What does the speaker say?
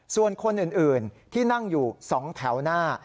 ส่วนคนอื่นที่นั่งอยู่๒แถวหน้า